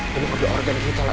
yang mengobrol organ kita la